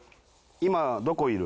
今どこいる？